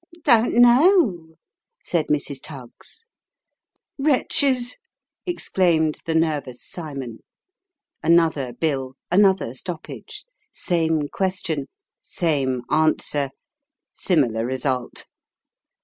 " Don't know," said Mrs. Tuggs. " Wretches !" exclaimed the nervous Cymon. Another bill another stoppage. Same question same answer similar result.